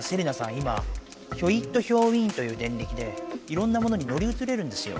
今ヒョイットヒョウイーンというデンリキでいろんなものに乗り移れるんですよ。